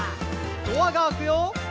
「ドアが開くよ」